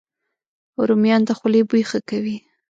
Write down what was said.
رومیان د خولې بوی ښه کوي